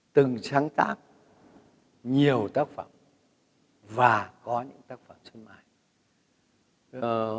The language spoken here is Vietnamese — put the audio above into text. từng sáng tác nhiều tác phẩm và có những tác phẩm sinh mạng